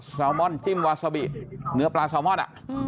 แซลมอนจิ้มวาซาบิเนื้อปลาแซลมอน